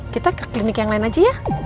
kita ke klinik yang lain aja ya